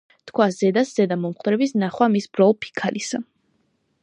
თქვა: "ზედას-ზედა მომხვდების ნახვა მის ბროლ-ფიქალისა,